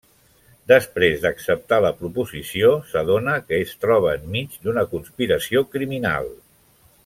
Després d'acceptar la proposició, s'adona que es troba enmig d'una conspiració criminal.